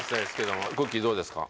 どうですか？